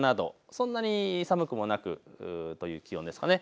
そんなに寒くもなくという気温ですかね。